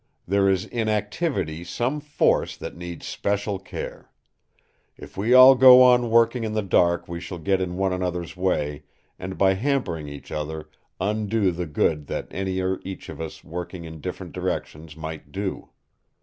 There is in activity some Force that needs special care. If we all go on working in the dark we shall get in one another's way, and by hampering each other, undo the good that any or each of us, working in different directions, might do.